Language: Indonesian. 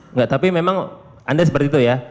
enggak tapi memang anda seperti itu ya